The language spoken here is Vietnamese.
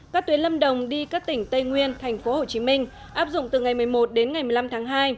các tuyến lâm đồng đi các tỉnh tây nguyên thành phố hồ chí minh áp dụng từ ngày một mươi một đến ngày một mươi năm tháng hai